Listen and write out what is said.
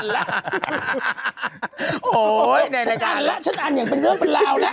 โหฉันอันแล้วฉันอันอย่างเป็นเรื่องเป็นราวนัก